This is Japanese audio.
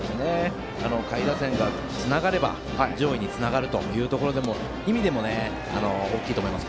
下位打線がつながれば上位につながるという意味でも大きいと思います。